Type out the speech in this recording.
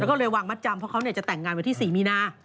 แล้วก็เลยวางมัดจำเพราะเขาจะแต่งงานวันที่๔มีนา